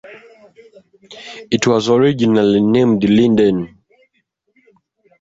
It was originally named Linden.